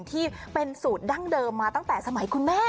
ที่เป็นสูตรดั้งเดิมมาตั้งแต่สมัยคุณแม่